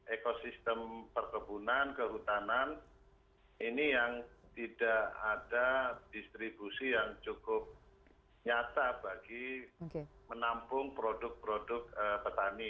ekosistem perkebunan kehutanan ini yang tidak ada distribusi yang cukup nyata bagi menampung produk produk petani